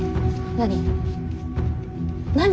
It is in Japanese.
何。